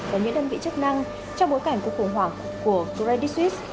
và những đơn vị chức năng trong bối cảnh cuộc khủng hoảng của credit suisse